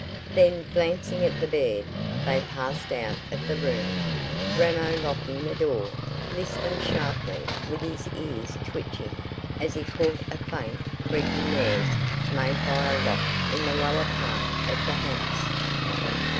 Then, glancing at the bed, they passed out of the room, Ramo locking the door, listening sharply, with his ears twitching, as he caught a faint creaking noise made by a lock in the lower part of the house.